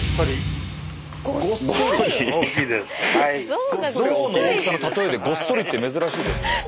象の大きさの例えで「ごっそり」って珍しいですね。